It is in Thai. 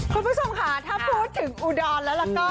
คุณผู้ชมค่ะถ้าพูดถึงอุดรแล้วก็